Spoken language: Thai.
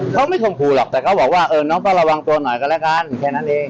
เขาไม่คมครูหรอกแต่เขาบอกว่าเออน้องก็ระวังตัวหน่อยกันแล้วกันแค่นั้นเอง